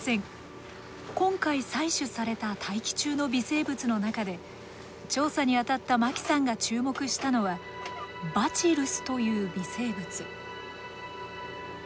今回採取された大気中の微生物の中で調査にあたった牧さんが注目したのはバチルスという微生物。